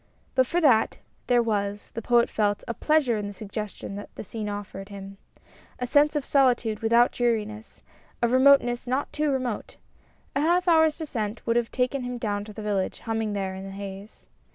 But for that, there was, the Poet felt, a pleasure in the suggestions that the scene offered him. A sense of solitude without dreariness, of remoteness not too remote. A half hour's descent would have taken him down to the village, humming there in the haze.